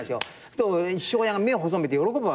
父親が目を細めて喜ぶわけです。